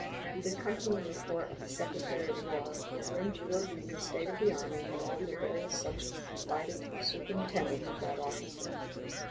The accompanying report of the Secretary of War will bring to your view the state of the Army and all the various subjects confided to the superintendence of that officer.